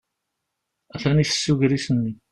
Atan ifessi ugris-nni.